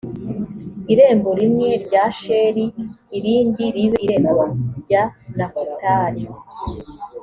irembo rimwe ry’asheri irindi ribe irembo rya nafutali